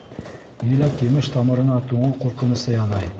Еләк-емеш тамырына туңыу ҡурҡынысы янай.